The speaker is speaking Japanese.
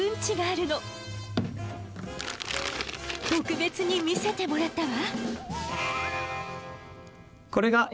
特別に見せてもらったわ。